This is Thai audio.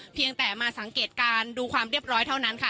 เพียงแต่มาสังเกตการณ์ดูความเรียบร้อยเท่านั้นค่ะ